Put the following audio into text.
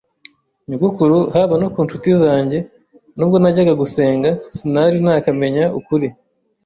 nyogokuru) haba no ku ncuti zanjye. N’ubwo najyaga gusenga, sinari nakamenya ukuri: